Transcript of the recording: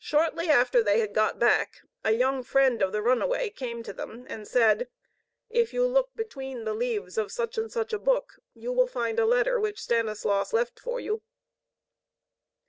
Shortly after they had got back, a young friend of the runaway came to them and said: "If you look between the leaves of such and such a book, you will find a letter which Stanislaus left for you."